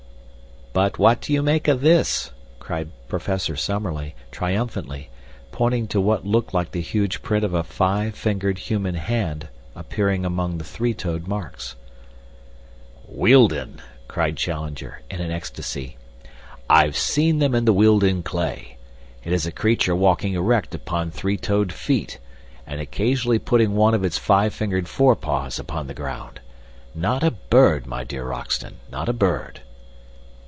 "But what do you make of this?" cried Professor Summerlee, triumphantly, pointing to what looked like the huge print of a five fingered human hand appearing among the three toed marks. "Wealden!" cried Challenger, in an ecstasy. "I've seen them in the Wealden clay. It is a creature walking erect upon three toed feet, and occasionally putting one of its five fingered forepaws upon the ground. Not a bird, my dear Roxton not a bird."